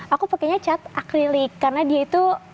aku pakainya cat akrilik karena dia itu